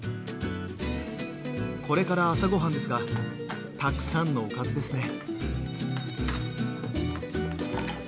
これから朝ごはんですがたくさんのおかずですね。